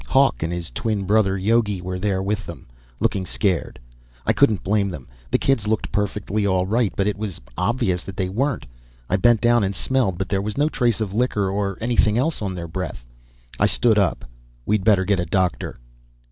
Hawk and his twin brother, Yogi, were there with them, looking scared. I couldn't blame them. The kids looked perfectly all right, but it was obvious that they weren't. I bent down and smelled, but there was no trace of liquor or anything else on their breath. I stood up. "We'd better get a doctor."